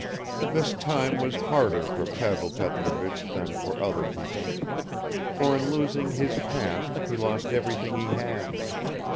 This time was harder for Pavel Petrovich than for other people, for in losing his past he lost everything he had.